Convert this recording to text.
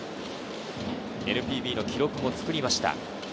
ＮＰＢの記録を作りました。